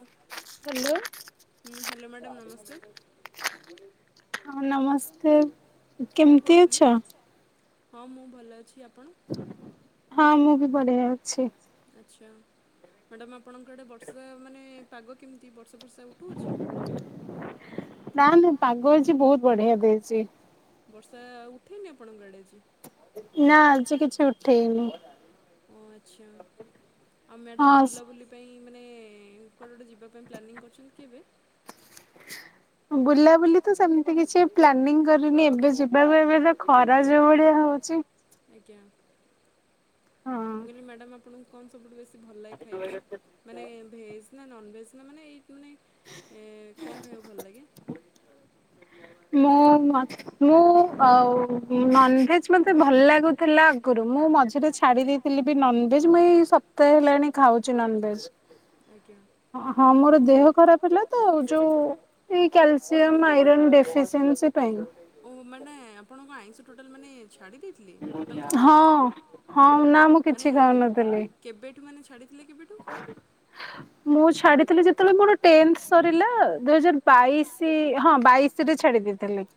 ହୁଁ hello madam ନମସ୍କାର। ହଁ ନମସ୍କାର। କେମିତି ଅଛ? ହଁ ମୁଁ ଭଲ ଅଛି ଆପଣ ହଁ ମୁଁ ବି ବଢିଆ ଅଛି। ଆଚ୍ଛା ମ୍ୟାଡ଼ାମ୍ ଆପଣଙ୍କର ଏଇଟେ ବର୍ଷା ମାନେ ପାଗ କେମିତି ବ ନା ନା ପାଗ ଆଜି ବହୁତ ବଢିଆ ଦେଇଚି। ବର୍ଷା ଉଠେଇନି ଆପଣଙ୍କ ଆଡେ ଆଜି? ନା ଆଜି କିଛି ଉଠେଇନି। ଓ ଆଚ୍ଛା ଆଉ ମ୍ୟାଡ଼ାମ ବୁଲାବୁଲି ପାଇଁ ମାନେ କୁଆଡ଼େ ଗୋଟେ ଯିବା ପାଇଁ ପ୍ଲାନିଂ କରଛନ୍ତି କେବେ ବୁଲାବୁଲି ତ ସେମିତି କିଛି ପ୍ଲାନିଂ କରିନି ଏବେ ଯିବାକୁ ଏବେ ତ ଖରା ଯୋଉ ଭଳିଆ ହଉଛି ଆଜ୍ଞା ମୁଁ କହିଲି ମ୍ୟାଡ଼ାମ ଆପଣଙ୍କୁ କଣ ସବୁ ଡ୍ରେସ୍ ଭଲ ଲାଗେ ଖାଇବା ପାଇଁ ମାନେ ଭେଜ୍ ନା ନନଭେଜ ନା ମାନେ ଏହି ମାନେ କଣ ଖାଇବାକୁ ଭଲ ଲାଗେ? ମୁ ମୁ ନନଭେଜ ମତେ ଭଲ ଲାଗୁଥିଲା ଆଗରୁ ମୁଁ ମଝିରେ ଛାଡି ଦେଇଥିଲି ବି ନନଭେଜ ମୁଁ ଏଇ ସପ୍ତାହେ ହେଲାଣି ଖାଉଛି ନନଭେଜ ହଁ ହଁ ମୋର ଦେହ ଖରାପ ହେଲା ତ ଆ ଯୋଉ ଏଇ କ୍ୟାଲସିୟମ ଆଇରନ୍ ଡେଫିସିଏନସି ପାଇଁ ଟୋଟାଲି ମାନେ ହିଁ ଅଛି ହଁ ହଁ ନା ମୁଁ କିଛି ଖାଉନଥିଲି। ମନେ ଛା [inaudible] ମୁଁ ଛାଡିଥିଲି ଯେତେବେଳେ ମୋର ଟେନ୍ଥ ସରିଲା ଦୁଇ ହଜାର ବାଇଶ ହଁ ବାଇଶରେ ଛାଡି ଦେଇଥିଲି।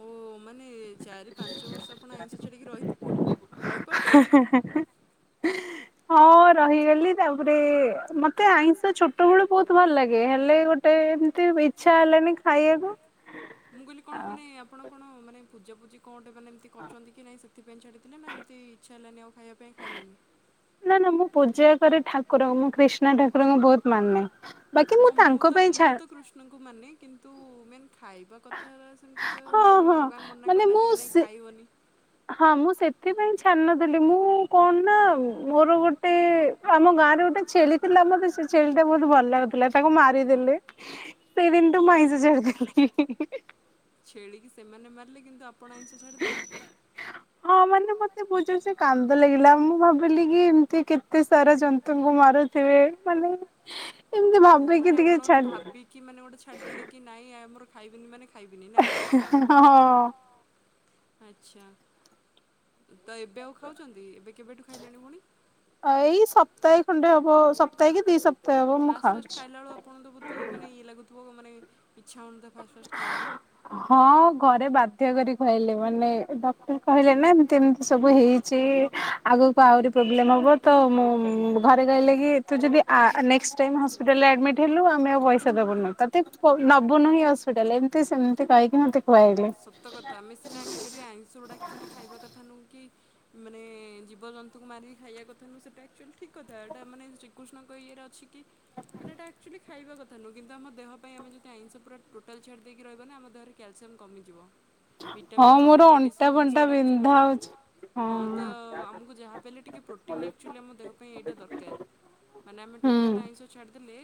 ଓ ମାନେ ଚାରି ପାଞ୍ଚ ବର୍ଷ ଆପଣ ଆଇଁଷ ଛଡିକି ରହିଥିଲେ ରହିପାରୁଥିଲେ? ହଁ ରହିଗଲି ତାପରେ ମତେ ଆଇଁଷ ଛୋଟ ବେଳୁ ବହୁତ ଭଲ ଲାଗେ ହେଲେ ଗୋଟେ ଏମିତି ଇଚ୍ଛା ହେଲାନି ଖାଇବାକୁ। ମୁଁ କହିଲି କଣ ମାନେ ଆପଣଙ୍କ କଣ ମନେ ପୂଜାପୂଜି କଣଟ ମାନେ ଏମିତି କରିଛନ୍ତି କି ନାଇଁ ସେଥି ଛାଡ଼ିଥିଲେ ନା ଏମିତି ଇଚ୍ଛା ହେଲାନି ଆଉ ଖାଇଆ ପାଇଁ ଖାଇଲେନି। ନା ନା ମୁଁ ପୂଜା କରେ ଠାକୁରଙ୍କୁ ମୁଁ କ୍ରୀଷ୍ଣ ନା ଠାକୁରଙ୍କୁ ବହୁତ ମାନେ। ବାକି ମୁଁ ତାଙ୍କ ପାଇଁ ଛାଡ଼ କୁ ମାନେ କିନ୍ତୁ ମେନ୍ ଖାଇବା କଥା ସେମିତି ତ ସେମିତି ଭଗବାନ ମନା କରିନାହାଁନ୍ତି କି ନାଇଁ ଖାଇବନି। ହଁ ମୁଁ ସେଥିପାଇଁ ଛାଡି ନ ଥିଲି ମୁଁ କଣ ନା ମୋର ଗୋଟେ ଆମ ଗାଁ ରେ ଗୋଟେ ଛେଳି ଥିଲା ମତେ ସେ ଛେଳି ଟା ବହୁତ ଭଲ ଲାଗୁଥିଲା। ତାକୁ ମାରିଦେଲେ। ହଁ ମାନେ ମତେ ବୁଝୁ ସେ କାନ୍ଦ କାନ୍ଦ ଲାଗିଲା ମୁଁ ଭାବିଲି କି ଏମତି କେତେ ସାରା ଜନ୍ତୁଙ୍କୁ ମାରୁଥିବେ ମାନେ ଓ ମାନେ ଆପଣ ଗୋଟେ ଭାବିକି ମାନେ ଗୋଟେ ଛାଡିଦେଲେ କି ନାଇଁ ଆ ଆମର ଖାଇବିନି ମାନେ ଖାଇ ହଁ। ଆଛା ତ ଏବେ ଆଉ ଖାଉଛନ୍ତି ଏଇ ସପ୍ତାହେ ଖଣ୍ଡେ ହବ ସପ୍ତାହେ କି ଦି ସପ୍ତାହେ ହବ ମୁଁ ଖାଉ ମାନେ ହଁ ଘରେ ବାଧ୍ୟ କରି ଖୁଆଇଲେ। ମାନେ ଡକ୍ଟର କହିଲେ ନା ଏମିତି ଏମିତି ସବୁ ହେଇଛି ଆଗକୁ ଆହୁରି ପ୍ରୋବ୍ଲେମ୍ ହେବ ତ ମୁଁ ଘରେ କହିଲେ କି ତୁ ଯଦି ଆ ନେକ୍ସଟ୍ ଟାଇମ୍ ହସ୍ପିଟାଲରେ ଆଡ଼ମିଟ୍ ହେଲୁ ଆମେ ଆଉ ପଇସା ଦେବୁନୁ ତୋ ବୁନ ହସ୍ପିଟାଲ ଏମତି ସେମତି କହିକି ମତେ ଖୁଆଇଲେ। କି ମାନେ ଜୀବଜନ୍ତୁଙ୍କୁ ମାରିକି ଖାଇବା କଥା ନୁହଁ ସେଇଟା ଆକ୍ଚୁଆଲି ଠିକ୍ କଥା। ଏଇଟା ମାନେ ଶ୍ରୀକୃଷ୍ଣଙ୍କ ଇଏରେ ଅଛି କି ମାନେ ଏଇଟା ଆକ୍ଚୁଆଲି ଖାଇବା କଥା ନୁହଁ। କିନ୍ତୁ ଆମ ଦେହ ପାଇଁ ଆମେ ଯଦି ଆଇଁଷ ପୁରା ଟୋଟାଲ ଛାଡ଼ି ଦେଇି ରହିବ ନା ଆମ ଦେହରେ କଲସିୟମ କମିଯିବ। ଭିଟାମିନ୍ କମିଯିବ ଏସବୁ ଜିନିଷ ଗୁଡ଼ା ଆକ୍ଚୁଆଲି ହଁ ତ ଆମକୁ ଯାହାବ ହେଲେ ଟିକେ ପ୍ରୋଟିନ୍ ଆକ୍ଚୁଆଲି ଆମ ଦେହ ପାଇଁ ଏଇଟା ଦରକାର। ମାନେ ଆମେ ଟୋଟାଲ ଆଇଁଷ ଛାଡ଼ିଦେଲେ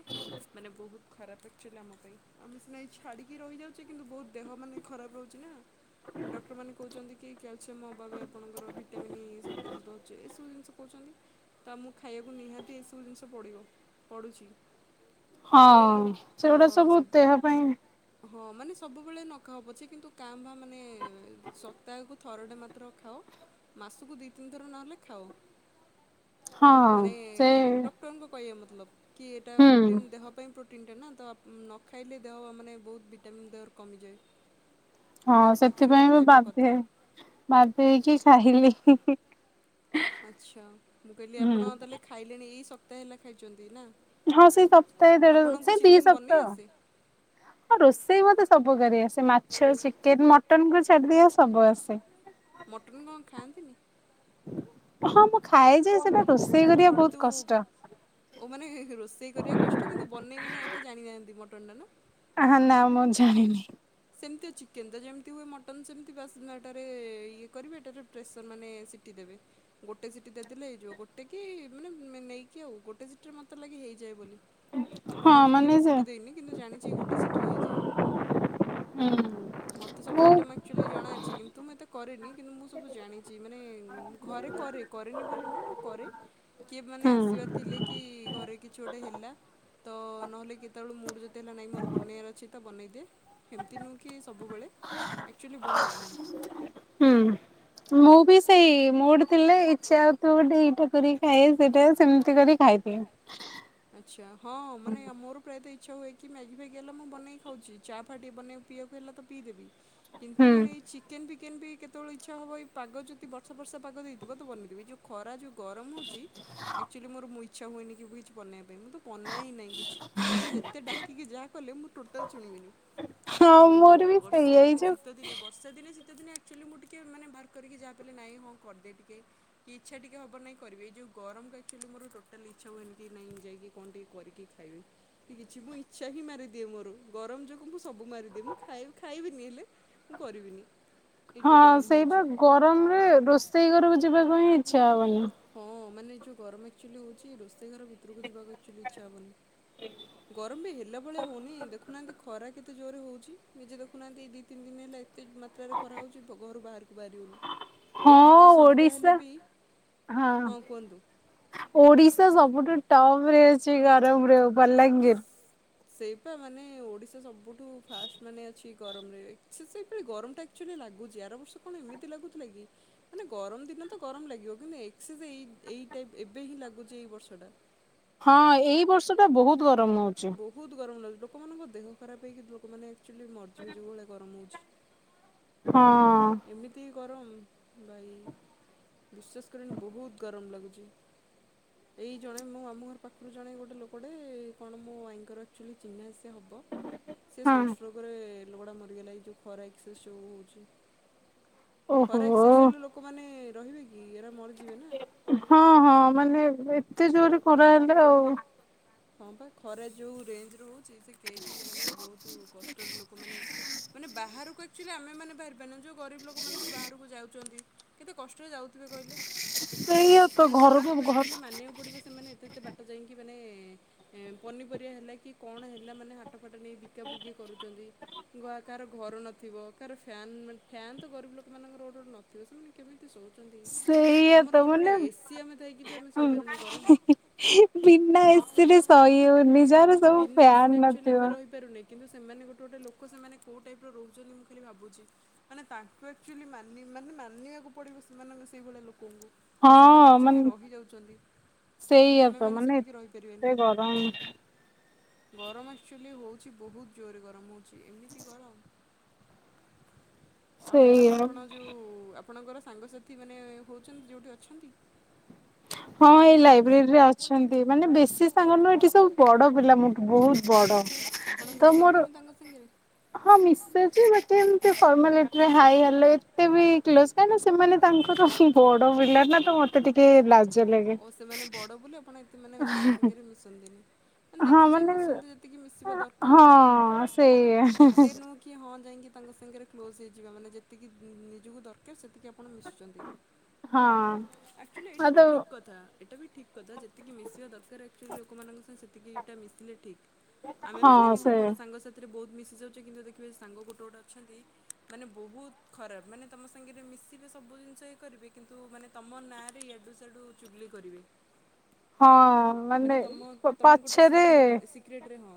ମାନେ ବହୁତ ଖରାପ ଆକ୍ଚୂଆଲି ଆମ ପାଇଁ ଆମେ ସିନା ଏ ଛାଡ଼ିକି ରହିଯାଉଛେ, କିନ୍ତୁ ବହୁତ ଦେହ ମାନେ ଖରାପ ରହୁଛି, ନା ଡକ୍ଟରମାନେ କହୁଛନ୍ତି, କି କ୍ୟାଲସିୟମ୍ ଅଭାବ ଆପଣଙ୍କର ଭିଟାମିନ୍ ଏଇ ସର୍ଟେଜ ରଉଛି, ଏସବୁ ଜିନିଷ କହୁଛନ୍ତି, ତା ମୁଁ ଖାଇବାକୁ ନିହାତି ଏସବୁ ଜିନିଷ ପଡ଼ିବ, ପଡ଼ୁଛି। ହଁ, ସେଗୁଡା ସବୁ ଦେହ ପାଇଁ ହଁ, ମାନେ ସବୁବେଳେ ନ ଖାଅ ପଛେ, କିନ୍ତୁ କାଁ ବା ମାନେ ସପ୍ତାହକୁ ଥରଟେ ମାତ୍ର ଖାଅ, ମାସକୁ ଦିଇ ତିନି ଥର ନହେଲେ ଖାଅ। ମାନେ ଡକ୍ଟରଙ୍କ କହିବା ମତେ ମତଲ [inaudible] କି ଏଟା ପ୍ରୋଟିନ ଦେହ ପାଇଁ ପ୍ରୋ ତିନିଟା ନା ତ ନ ଖାଇଲେ, ଦେହ ମାନେ ବହୁତ ଭିଟାମିନ୍ ଦେହରୁ କମିଯାଏ। ହଁ ସେଥିପାଇଁ ମୁଁ ବାଧେ ବାଧେ ହେଇକି ଖାଇଲି ଆଛା ମୁଁ କହିଲି ଆପଣ ତାହେଲେ ଖାଇଲେଣି ଏଇ ସପ୍ତାହେ ହେଲା ଖାଇଛନ୍ତି ନା ହଁ, ସେଇ ସପ୍ତାହେ ଦେଢ ସେଇ ଦି ସପ୍ତାହ, ହଁ ରୋଷେଇ ମତେ ସବୁ କରିଆସେ, ମାଛ ଚି କେନ, ମଟନ୍ କ ଛାଡିଦେଇ ଆଉ ସବୁ ଆସେ। ହ [inaudible] କିନ୍ତୁ, ଓ ମାନେ ରୋଷେଇ କରିବା କଷ୍ଟ କିନ୍ତୁ ବନେଇ ମାନେ ଏଇଟା ଜାଣିନାହାନ୍ତି, ମ ପଣ୍ଡ ନା [inaudible] ଆହା ନା ମୁଁ ଜାଣିନି ସେମିତି ଆଉ ଚିକେନ୍ ତ ଯେମିତି ହୁଏ ମଟନ୍ ସେମିତି ବି ବାସନା ଏଟାରେ ଇଏ କରିବେ, ଏଇଟାରେ ପ୍ରେସର ମାନେ ସିଟି ଦେବେ, ଗୋଟେ ସିଟି ଦେଇଦେଲେ ହେଇଯିବ ଗୋଟେ କି ମାନେ ନେଇକି ଆଉ ଗୋଟେ ସିଟିରେ ମୋତେ ଲାଗେ ହେଇଯାଏ, ବୋଲି। ମୁଁ ମଟନ୍ କେବେ ସିଟି ଦେଇନି, କିନ୍ତୁ ଜାଣିଛି ଗୋଟେ ସିଟିରେ ହେଇଯାଏ। ହୁଁ ମତେ ସବୁ ଆଇଟମ୍ ଆକ୍ଚୁଆଲି ଜଣା ଅଛି, କିନ୍ତୁ ମୁଁ ଏ କରେନି, କିନ୍ତୁ ମୁଁ ସବୁ ଜାଣିଛି, ମାନେ ଘରେ କରେ, କରେନି ବୋଲି, ମୁଁ କରେ କିଏ ମାନେ ଆସିବାର ଥିଲେ, କି ଘରେ କିଛି ଗୋଟେ ହେଲା, ତ ନହେଲେ କେତେବେଳଳେ ମୁଡ୍ ଥିଲା, ନାଇଁ ମୋର ବନେଇଆର ଅଛି। ବନେଇଦିଏ, ହେମିତି ନୁହ କି? ସବୁବେଳେ ଆକ୍ଚୁଆଲି ବନାଏ। ମୁଁ ବି ସେଇ ମୁଡ ଥିଲେ, ଇଚ୍ଛା ହଉ ଥୁବ ଗୋଟେ ଏଇଟା କରି ଖାଏ ସେଟା ସେମିତି କରିକି ଖାଇଦିଏ। ଆଛା ହଁ ମାନେ ମୋର ପ୍ରାୟତ ମାଛ ହୁଏକି ମ୍ୟାଗି ଫ୍ୟାଗି ହେଲା ମୁ ବନେଇ ଖାଉଛି, ଚା ଫା ଟିକେ ବନେଇ ପିଇଆକୁ ହେଲା ତ ପିଇଦେବି। କିନ୍ତୁ ମାନେ ଏଇ ଚିକେନ ବି ଚିକେନ୍ ବି କେତେବେଳେ ଇଚ୍ଛା ହେବ ଏ ପାଗ ଯଦି ବର୍ଷା, ଫର୍ଷା ପାଗ ଦେଇଥିବ, ତ ବନେଇଦେବି ଯୋଉ ଖରା ଯୋଉ ଗରମ ହଉଛି, ଅକ୍ଚୁଆଲି ମୋର ମୁ ଇଚ୍ଛା ହୁଏନି କି ଭୁ୍ ପନିର ମୁଁ ତ ପନାଏ ହିଁ ନାହିଁ କିଛି ମୋତେ ଯେତେ ଡାକିକି ଯାହା କଲେ ମୁଁ ଟୋଟାଲ ଶୁଣିବିନି ଆଉ ବର୍ଷା ଦିନେ ଶୀତ ଦିନେ ବର୍ଷା ଦିନେ ଶ୍ ସେତେଦିନ ଆକ୍ଚଆଲି ମୁଁଟିକେ ମାନେ ବାହାର କର ଯାିଲ ନାଇଁଦେ ଟିକେ କି ଇଚଛା ଟିକେ ହେବ ନହିଁ କରବି ଏଇଉଁ ଗରକୁକ୍ଚଆଲି ଟୋଟଲି ଇଚ୍ଛା ହୁଏନି। ନାଇଁ ଯାଇକି କଣ ଟିକେ କରିକି ଖାଇବିିକ କିଛି ମୁଁ ଇଛାିଁ ମାରିଦିଅ ମୋର ଗରମ ଯୋଗୁଁ ଶ୍ ସବୁ ମାରିଦି ମୁଁ ଖାଇ ଖାଇବିନି ହେଲେ ମୁଁ କରିବିନି ଏ ଯୋଉ ଗରମ ହଉଛି। ଯିବାକୁ ହିଁ ଇଚ୍ଛା ହବନି। ହୁଁ ମାନେ ଯୋଉ ଗରମ ଆକ୍ଚଆଲି ହଉଛି ରୋଷେଇ ଘର ଭିତରକୁ ଇଛା ହବନି ଗରମ ବି ହେଲା ଭଳିଆ ହଉନି ଦେଖୁନାହାନ୍ତି ଖରା। କେତେ ଜୋରରେ ହେଉଛି ନିଜେ ଦେଖୁନାହାନ୍ତି ଦୁଇ ତିନି ଦିନ ହେଲା ଏ ଏତେ ମାତ୍ରାରେ ଖରା ହେଉଛି ଘରୁ ବାହାରକୁ ବାହାର ହେଉନି ଏଇ ଟିକିଏ ସନ୍ଧ୍ୟା ହେଲେ ବି। ହଁ ଓଡିଶ୍ ସବୁଠୁ ଟପ୍ ରେ ଅଛି ଗରମରେ ବଲାଙ୍ଗୀର ସେଇପା ମାନେ ଓଡିଶା ସବୁଠୁ ଫାଷ୍ଟ ମାନେ ଅଛି ଗରମରେ ଗରମ ଆଚୁୂଲି ଲାଗୁଛି ଆର ବର୍ଷ କଣ ଏମିତି ଲାଗୁଥିଲା କି ମାନେ ଗରମ ଦିନ ତ ଗରମ ଲାଗିବ କି ଏକ୍ସ ଶେଷ ଏଇ ଏବେ ହିଁ ଲାଗୁଛି ଏଇ ବର୍ଷଟା। ହଁ ଏଇ ବର୍ଷ ଟା ବହୁତ ଗରମ ହଉଛି। ଲୋକମାନଙ୍କ ଦେହ ଖରାପ ହେଇକି ଲୋକମାନେ ଆଚୁଲି ମରିଯିବେ ଯେଉୁଭଳିଆ ଗରମ ହେଉଛି। ଏମିତି ଇ ଗରମ ଭାଇ ବିଶ୍ୱାସ କରିନି ବହୁତ ଗରମ ଲାଗୁଛି ଏଇ ଜଣେ ମୁଁ ଆମ ଘର ପାଖରୁ ଜଣେ ଗୋଟେ ଲୋକଟେ କଣ ମୋ ଭାଇଙ୍କର ଆକ୍ଚୁଆଲି ଚିହ୍ନା ସେ ସେ ହେବ ସେ ସଂସ୍ୋଗରେ ଏ ଲୋଡା ମରିଗଲା ଏ ଯୋଉ ଖରା ଏକ୍ସ ଯୋଉ ହଉଛି ଖରା ଏକ୍ସସ ହେଲ ଲୋକମାନେ ରହିବେ କି ହଁ ହଁ ମାନେ ଏ ଏତେ ଜୋରି ଖରାହେଲେ ଆଉ ହଁ ବା ଖରା ଯେଉଁ ରେଞ୍ଜରେ ହଉଛି ସେ କେହି ବି ମାନେ ବହୁତ କଷ୍ଟରେ ଲୋକମାନେ ମାନେ ବାହାରକୁ ଆକ୍ଚୁଆଲି ଆମେ ମାନେ ବାହାରିବା ନା ଯେଉ ଗରିବ ଲୋକମାନେ ସୁ ବାହାରକୁ ଯାଉଛନ୍ତି କେତେ କଷ୍ଟରେ ଯାଉଥିବେ କହିଲେ। ମାନେ ସେମାନଙ୍କୁ ଆଚୁଆଲି ମାନିବାକୁ ପଡିବ ସେମାନେ ଏତେ ଏତେ ବାଟ୍ ତ ଯାଇକି ମାନେ ଏ ପନିପରିବା ହେଲା କି କଣ ହେଲା ମାନେ ହାଟ୍ ଫଟ ନେଇ ବିକା ବିକି କରୁଛନ୍ତି। ଗ ଆ କାର ଘର ନଥିବ କାହାର ଫ୍ୟାନ୍ ମାନେ ଫ୍ୟାାନ ତ ଗରିବ ଲୋକମାନାନଙ୍କ ଗୋଟେ ଗୋଟେ ନଥିବା ନଥିବ ସେମାନେ କେମିତି ଶ ସେଇଆା ତ ମାନେ ବିନା ଏସି ରେ ସଇ ହଉନି ଜାର ସବୁ ଫ୍ୟାନ ନଥିବ କିନ୍ତୁ ସେମାନେ ଗୋଟେ ଗୋଟେ ଲୋକ ସେମାନେ କେଉଁ ଟାଇପ୍ ରହୁଛନ୍ତି ମୁଁ ଖାଲି ଭାବୁଛି ମାନେ ତାଙ୍କୁ ଆକ୍ଚୁଆଲି ମାନି ମାନେ ମାନିବାକୁ ପଡ଼ିବ ସେମାନଙ୍କ ସେଇଭଳିଆ ଲୋକଙ୍କୁ ମାନେ ସେମାନେ ଆଚୁଆଲି ରହିଯାଉଛନ୍ତି କିନ୍ତୁ ଆମେମାନେ ସେତିକି ରହିପାରିବାନି। ରାଇ ଗରମ ଆକ୍ଚୁଆଲି ହଉଛି ବହୁତ ଜୋରରେ ଗରମ ହଉଛି। ଆଉ ମ୍ୟାଡ଼ାମ ଆପଣ ଯୋଉ ଆପଣଙ୍କର ସାଙ୍ଗସାଥି ମାନେ ହେଉଛନ୍ତି ଯେଉଁଠି ଅଛନ୍ତି। ହଁ ଏଇ ଲାଇବ୍ରେରୀ ରେ ଅଛନ୍ତି ମାନେ ବେଶୀ ସାଙ୍ଗ ନୁହ ଏଠି ସବୁ ବଡ ପିଲା ମୋଠୁ ବହୁତ ବଡ ତ ମୋର ହଁ ମିର୍ମା କାଁ ସେମାନେ ତାଙ୍କର ବଡ ବିଲର ନା ତ ମତେ ଟିକେ ଲାଗୁ ଓ ସେମାନେ ବଡ ବୋଲି ଆପଣ ଏତେ ମାନେ ତାଙ୍କ ସାଙ୍ଗରେ ମିଶନ୍ତିନି ଦେଖି ଯାଇ ମିଶନ୍ତ ଯେତିକି ମିଶିବା ଦରକାର ଏତେ ନୁହଁ କି ହଁ ଯାଇକି। ତାଙ୍କ ସାଙ୍ଗରେ କ୍ଲୋଜ୍ ହେଇଯିବା ମାନେ ଯେତିକି ନିଜକୁ ଦରକାର ସେତିକି କଣ ମିଶ ଆଚୁ ଏଇଟା ବି ଠିକ କଥା ଏଇଟା ବି ଠିକ୍ କଥା ଯେତିକି ମିଶିବା ଦରକାର ଆକ୍ଚୁଆଲି ଲୋକମାନଙ୍କଙ୍ଗ ସେତିକି ଏଇଟା ମିଶିଲେ ଠିକ୍। ଆମେମାନୋନ କିନ୍ତୁ କଣ ସାଙ୍ଗସଥିରେ ବହୁତ। ମିଶିଯାଉଛି କିନ୍ତୁ ଦେଖିବେ ସାଙ୍ଗ ଗୋଟେ ଗୋଟେ ଅଛନ୍ତି ମାନେ ବହୁତ ଖରାପ ମାନେ ତମ ସାଙ୍ଗରେ ମିଶିବେ ସବୁ ଜିନିଷ ଇଏ କରିବେ କିନ୍ତୁ ମାନେ ତମ ନାଁରେ ଇଆଡ଼ୁ ସାଡ଼ୁ ଚୁଗୁଲି କରିବେ। ହଁ ମାନେ ପଛରେ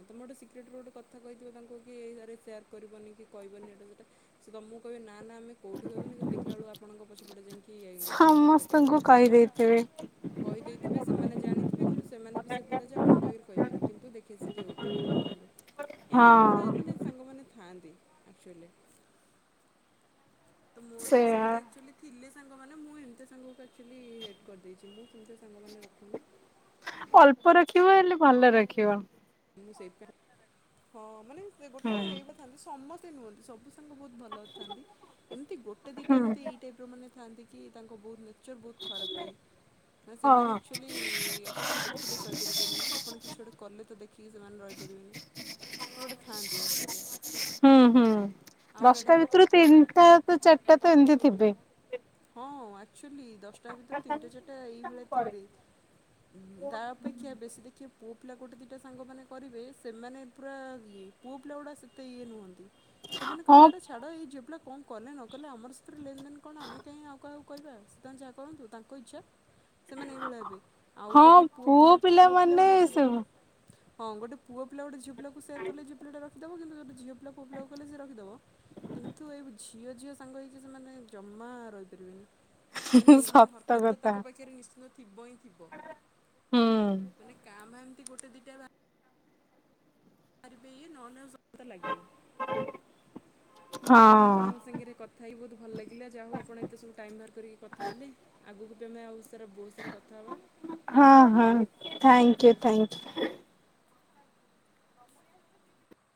ତମେ ଗୋଟେ ସିକ୍ରେଟ ରେ ଗୋଟେ କଥା କହିଥିବ ତାଙ୍କୁ କି ଏଇରା ରେ ସେୟାର କରିବନି କି କଇବନି ଏଇଟା ସେଇଟା ସେ ତମକୁ କହିବେ ନା ନା ନା ଆମେ କେଉଠି କହିବୁନି କିନ୍ତୁ ଦେଖିଲା ବେଳକୁ ଆପଣଙ୍କ ପଛପଟେ ଯାଇକି ଆପଣଙ୍କ ନାଁରେ ଗାଇଦେଇଥିବେ। କହିଦେଇଥିବେ ସେମାନେ ଜାଣିଥିବେ କିନ୍ତୁ ସେମାନେ ବି ସେଭଳିଆ ଯେ ଆପଣଙ୍କ ଆଗରେ କହିବେନି କିନ୍ତୁ ଦେଖି ଶିଖି ହଉଥିବେ ଆପଣଙ୍କୁ ଏମିତି ଗୋଟେ ଗୋଟେ ମାନେ ସାଙ୍ଗମାନେ ଥାଆନ୍ତି ଆକଚୁଆଲି ତ ମୋର ବି ସେମିତି ଆକଚୁଆଲି ଥିଲେ ସାଙ୍ଗ ମାନେ ମୁଁ ଏମିତି ସାଙ୍ଗକୁ ଆକଚୁଆଲି ହେଟ୍ କରିଦେଇଛି ମୁଁ ସେ ରଖିବ ହେଲେ ଭଲ ରଖିବ। ସେଇଥିପାଇଁ ହଁ ମାନେ ସେ ଗୋଟେ ଗୋଟେ ହେଇପାରଥାନ୍ତି ସମସ୍ତେ ସେମତି ନୁହଁନ୍ତି ସବୁ ତାଙ୍କୁ ବହୁତ ଭଲ କରିଥାନ୍ତି ଏମିତି ଗୋଟେ ଦିଟା ଏମତି ଏଇ ଟାଇପ ର ମାନେ ଥାଆନ୍ତି କି ତାଙ୍କୁ ବହୁତ ନେଚର ବହୁତ ଖରାପ ଥାଏ ନା ସେମାନେ ଆକଚୁଆଲି ଆପଣଙ୍କୁ ଦେଖିଲେ ସହିପାରିବେନି ଆପଣ କିଛି ଗୋଟେ କଲେ ତ କି ସେମାନେ ରହିପାରିବେନି ମୋର ଗୋଟେ ଥାଆନ୍ତି ଆକଚୁଆଲି ହଁ ମ୍ୟାଡ଼ାମ ହଁ ଆକଚୁଆଲି ଦଶଟା ଭିତରୁ ତିନିଟା ଚାରିଟା ଏଇଭଳିଆ ଥିବେ ତା ଅପେକ୍ଷା ବେଶୀ ଦେଖି ପୁଅ ପିଲା ଗୋଟେ ଦି ଟା ସେମିତି ସାଙ୍ଗମାନେ କରିବେ ସେମାନେ ପୁରା ଇଏ ପୁଅ ପିଲା ଗୁଡ଼ା ସେତେ ଇଏ ନୁହଁନ୍ତି ସେମାନେ କହିବେ ଆରେ ଛାଡ ଏଇ ଯ ହେଲେ କଣ କଲେ ନ କଲେ ଆମର ସେଥିରେ ଲେନ ଦେନ୍ କଣ ଆମେ କାହିଁକି ଆଉ କାହାକୁ କହିବା ସେ ତାଙ୍କର ଯାହା କରନ୍ତୁ ତାଙ୍କ ଇଚ୍ଛା ସେମାନେ ଏଇଭଳିଆ ହେବେ ଆଉ ଗୋଟେ ପୁଅ ପିଲା ପୁଅ ପିଲା ଗୋଟେ ଝିଅ ପିଲାଙ୍କୁ ହଁ ଗୋଟେ ପୁଅ ପିଲା ଗୋଟେ ଝିଅ ପିଲାକୁ ସେୟାର କଲେ ଯୋଉ ପିଲାଟା ଦେବ କିନ୍ତୁ ଗୋଟେ ଝିଅ ପିଲା ପୁଅ ପିଲାକୁ କଲେ ସେ ରଖିଦବ କିନ୍ତୁ ଏଇ ଝିଅ ଝିଅ ସାଙ୍ଗ ହେଇକି ସେମାନେ ଜମା ରହିପାରିବେନି। ମାନେ ଏଇଭଳିଆ ହରକତ ତାଙ୍କ ପାଖରେ ନିଶ୍ଚିନ୍ତ ଥିବ ହିଁ ଥିବ ମାନେ କାମ ଫାମ୍ ଏମତି ଗୋଟେ ଦିନ ବାହାରିବେ ଇଏ ନହେଲେ ଆଉ ସବୁ ତ ଲାଗେ ମ୍ୟାଡ଼ାମ ଆପଣଙ୍କ ସାଙ୍ଗରେ କଥା ହେଇ ବହୁତ ଭଲ ଲାଗିଲା ଯାହା ହଉ ଆପଣ ଏତେ ସବୁ ଟାଇମ ବାହାର କରିକି କଥା ହେଲେ ଆଗକୁ ତ ଆମେ ଆଉ ହଁ ହଁ ଥ୍ୟାଙ୍କ ୟୁ ଥ୍ୟାଙ୍କ ୟୁ।